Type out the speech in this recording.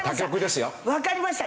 わかりました！